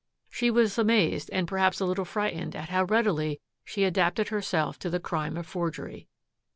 She was amazed and perhaps a little frightened at how readily she adapted herself to the crime of forgery.